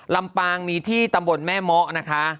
ลำปางมีที่ตำบลแม่มะ